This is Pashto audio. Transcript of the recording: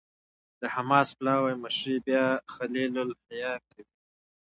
د حماس پلاوي مشري بیا خلیل الحية کوي.